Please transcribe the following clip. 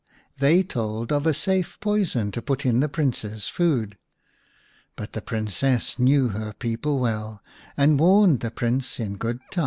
They told of a safe poison to put in the Prince's food. But the Princess knew her people well, and warned the Prince in good time.